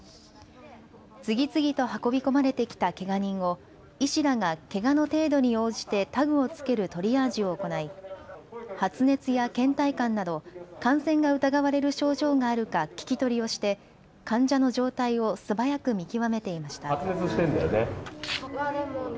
次々と運び込まれてきたけが人を医師らがけがの程度に応じてタグを付けるトリアージを行い発熱やけん怠感など感染が疑われる症状があるか聞き取りをして患者の状態を素早く見極めていました。